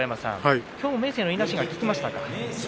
今日は明生のいなしが効きましたか。